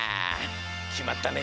きまったね！